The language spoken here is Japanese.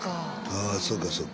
ああそうかそうか。